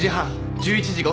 １１時５分。